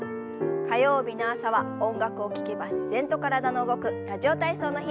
火曜日の朝は音楽を聞けば自然と体の動く「ラジオ体操」の日。